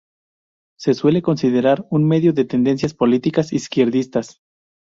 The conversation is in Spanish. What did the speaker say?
Se suele considerar un medio de tendencias políticas izquierdistas.